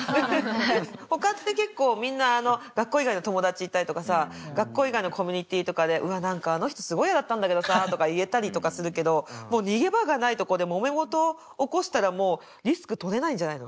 ほかって結構みんな学校以外の友達いたりとかさ学校以外のコミュニティーとかで「うわ何かあの人すごい嫌だったんだけどさ」とか言えたりとかするけどもう逃げ場がないとこでもめ事を起こしたらもうリスクとれないんじゃないの？